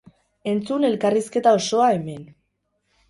Entzun elkarrizketa osoa, hemen.